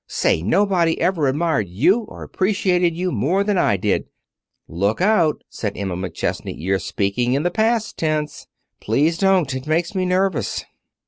Say, nobody ever admired you or appreciated you more than I did " "Look out!" said Emma McChesney. "You're speaking in the past tense. Please don't. It makes me nervous."